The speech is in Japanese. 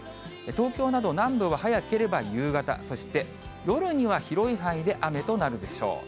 東京など南部は早ければ夕方、そして夜には広い範囲で雨となるでしょう。